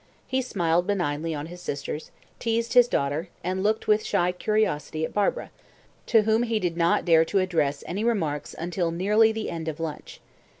He smiled benignly on his sisters, teased his daughter, and looked with shy curiosity at Barbara, to whom he did not dare to address any remarks until nearly the end of lunch.